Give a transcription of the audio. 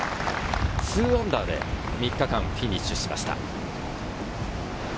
−２で３日間をフィニッシュしました。